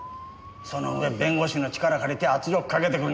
その上弁護士の力借りて圧力かけてくるなんざ。